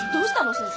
先生。